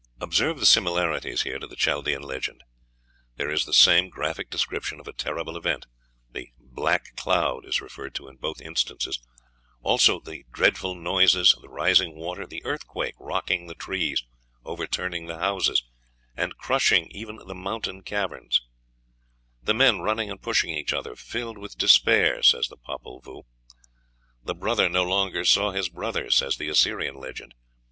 Observe the similarities here to the Chaldean legend. There is the same graphic description of a terrible event. The "black cloud" is referred to in both instances; also the dreadful noises, the rising water, the earthquake rocking the trees, overthrowing the houses, and crushing even the mountain caverns; "the men running and pushing each other, filled with despair," says the "Popul Vuh;" "the brother no longer saw his brother," says the Assyrian legend.